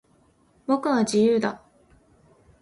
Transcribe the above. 僕は、自由だ。